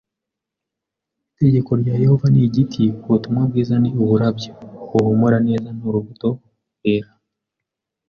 Itegeko rya Yehova ni igiti; ubutumwa bwiza ni uburabyo buhumura neza n’urubuto bwera.